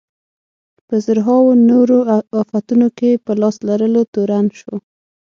په زرهاوو نورو افتونو کې په لاس لرلو تورن شو.